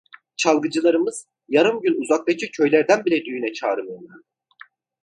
Çalgıcılarımız yarım gün uzaktaki köylerden bile düğüne çağırmıyorlardı.